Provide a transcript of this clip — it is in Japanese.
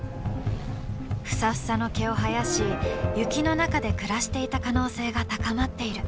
フサフサの毛を生やし雪の中で暮らしていた可能性が高まっている。